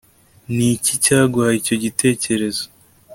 niki cyaguhaye icyo gitekerezo